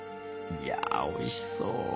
いやおいしそう。